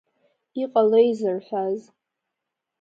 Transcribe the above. Иҟалеи зырҳәаз!